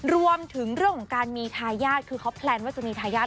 รวมถึงเรื่องของการมีทายาทคือเขาแพลนว่าจะมีทายาท